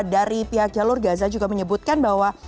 dari pihak jalur gaza juga menyebutkan bahwa